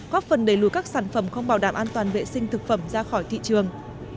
góp phần đẩy lùi các sản phẩm không bảo đảm an toàn vệ sinh thực phẩm ra khỏi thị trường